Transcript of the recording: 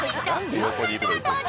４回目の登場